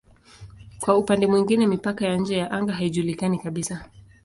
Kwa upande mwingine mipaka ya nje ya anga haijulikani kabisa.